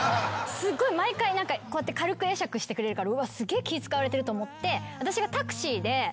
すごい毎回こうやって軽く会釈してくれるからすげえ気ぃ使われてると思って私が。